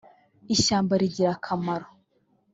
ishyamba rigira akamaro.